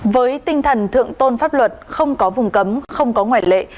với tinh thần thượng tôn pháp luật không có vùng cấm không có ngoại lệ